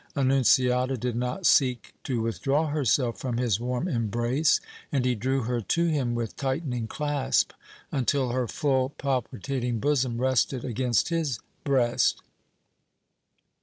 Annunziata did not seek to withdraw herself from his warm embrace, and he drew her to him with tightening clasp until her full, palpitating bosom rested against his breast.